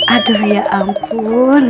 aduh ya ampun